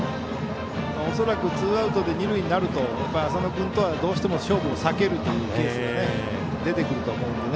恐らくツーアウトで二塁になると浅野君とは、どうしても勝負を避けるというケースが出てくると思うので。